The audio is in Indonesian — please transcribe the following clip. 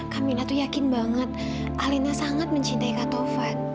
kamila tuh yakin banget alena sangat mencintai kak tovan